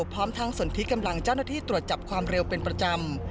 พร้อมทั้งสนทิกำลังเจ้าหน้าที่ตรวจจับความเร็วเป็นประจำ